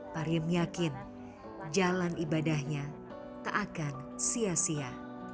pari menyakin jalan ibadahnya tak akan sia sia